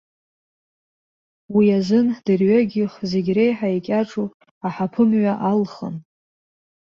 Уи азын дырҩегьых зегь реиҳа икьаҿу аҳаԥы-мҩа алхын.